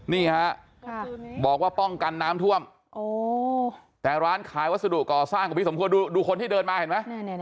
นี่ฮะบอกว่าป้องกันน้ำท่วมแต่ร้านขายวัสดุก่อสร้างของพี่สมควรดูคนที่เดินมาเห็นไหม